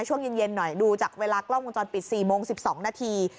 ช่วงเย็นเย็นหน่อยดูจากเวลากล้องวงจรปิดสี่โมงสิบสองนาที